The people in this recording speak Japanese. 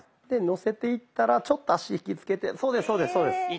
でのせていったらちょっと足引き付けてそうですそうです。